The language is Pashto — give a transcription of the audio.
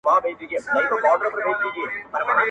زه وايم راسه حوصله وكړو,